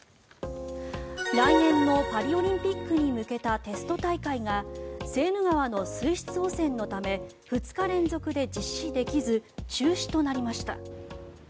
来年のパリオリンピックに向けたテスト大会がセーヌ川の水質汚染のため２日連続で実施できず中止となりました。